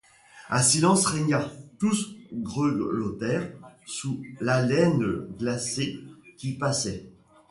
Un silence régna, tous grelottèrent sous l'haleine glacée qui passait.